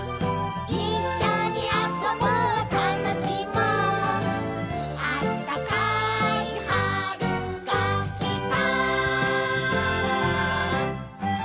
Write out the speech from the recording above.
「いっしょにあそぼうたのしもう」「あったかいはるがきた」